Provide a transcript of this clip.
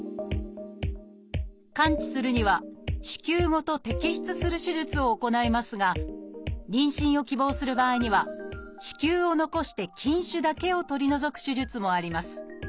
完治するには子宮ごと摘出する手術を行いますが妊娠を希望する場合には子宮を残して筋腫だけを取り除く手術もあります